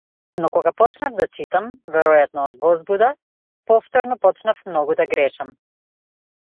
Но кога почнав да читам, веројатно од возбуда, повторно почнав многу да грешам.